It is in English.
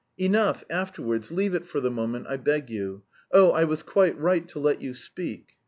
"Enough, afterwards, leave it for the moment I beg you. Oh, I was quite right to let you speak!"